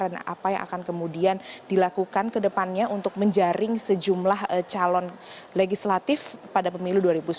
dan apa yang akan kemudian dilakukan ke depannya untuk menjaring sejumlah calon legislatif pada pemilu dua ribu sembilan belas